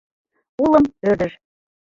Улым — ӧрдыж.